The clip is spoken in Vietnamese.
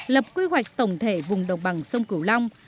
lập quy hoạch tổng thể vùng đồng bằng sông cửu long